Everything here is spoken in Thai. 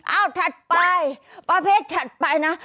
เอาถัดไปประเภทถัดไปนะ